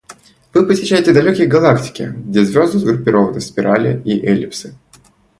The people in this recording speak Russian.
Вы посещаете далекие галактики, где звезды сгруппированы в спирали и эллипсы.